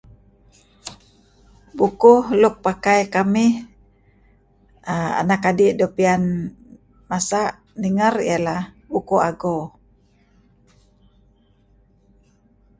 Bukuh luk pakai kamih uhm anak adi' doo' pian masa' ninger iyehlah Bukuh Ago.